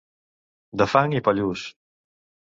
De fang i pallús.